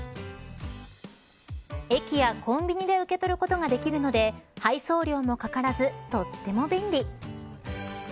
駅やコンビニで受け取ることができるので配送料もかからずとっても便利。